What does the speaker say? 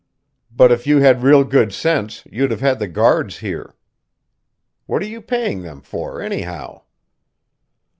But if you had real good sense you'd have had the guards here. What are you paying them for, anyhow?"